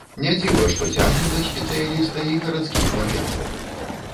Не дзіва, што цягне да спецыяліста і гарадскіх вар'ятаў.